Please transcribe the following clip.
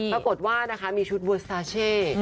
ปรากฏว่านะคะมีชุดเวอร์สตาเช่